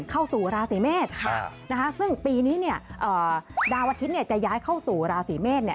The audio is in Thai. เข้าสู่ราศรีเมษซึ่งปีนี้ดาวอาทิตย์จะย้ายเข้าสู่ราศรีเมษ